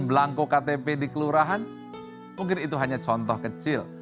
mungkin itu hanya contoh kecil